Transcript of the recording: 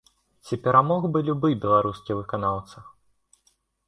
Ці перамог бы любы беларускі выканаўца.